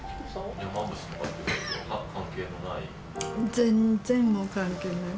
全然もう関係ない。